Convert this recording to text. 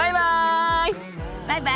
バイバイ！